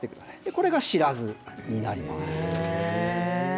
これが白酢になります。